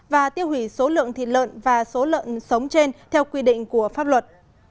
và tiêu hủy số lượng thịt lợn và số lợn sống trên theo quy định của pháp luật